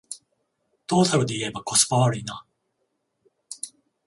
トータルでいえばコスパ悪いな